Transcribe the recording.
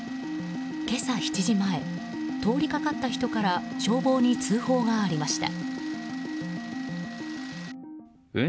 今朝７時前、通りかかった人から消防に通報がありました。